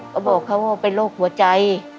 ก็บอกเขาว่าเป็นโรคหัวใจ